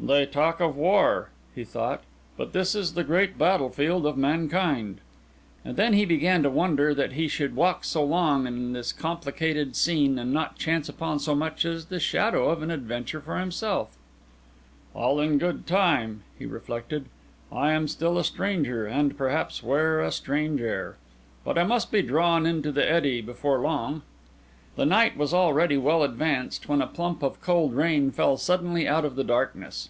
"They talk of war," he thought, "but this is the great battlefield of mankind." And then he began to wonder that he should walk so long in this complicated scene, and not chance upon so much as the shadow of an adventure for himself. "All in good time," he reflected. "I am still a stranger, and perhaps wear a strange air. But I must be drawn into the eddy before long." The night was already well advanced when a plump of cold rain fell suddenly out of the darkness.